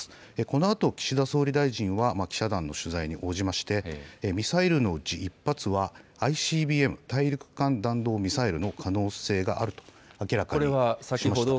このあと岸田総理大臣は記者団の取材に応じまして、ミサイルのうち１発は、ＩＣＢＭ・大陸間弾道ミサイルの可能性があると明らかにしました。